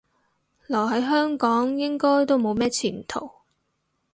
留喺香港應該都冇咩前途